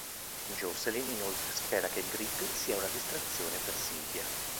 Jocelyn inoltre spera che Grigg sia una distrazione per Sylvia.